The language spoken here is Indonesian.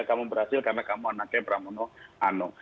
kamu berhasil karena kamu anaknya pramono anung